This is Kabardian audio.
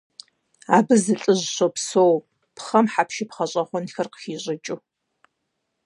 Абы зы лӀыжь щопсэу, пхъэм хьэпшып гъэщӀэгъуэнхэр къыхищӀыкӀыу,.